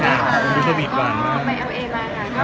แล้วต้องขอความชื่อ